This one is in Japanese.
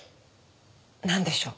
なんでしょう？